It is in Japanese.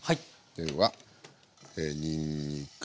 ではにんにく。